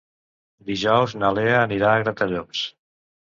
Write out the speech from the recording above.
Dijous na Lea anirà a Gratallops.